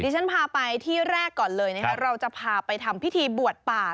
ฉันพาไปที่แรกก่อนเลยนะคะเราจะพาไปทำพิธีบวชป่า